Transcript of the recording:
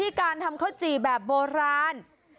การทำข้าวจี่แบบโบราณ